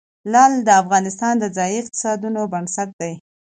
لعل د افغانستان د ځایي اقتصادونو بنسټ دی.